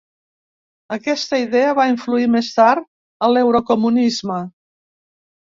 Aquesta idea va influir més tard a l'eurocomunisme.